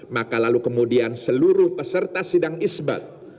maka lalu kemudian seluruh peserta sidang isbat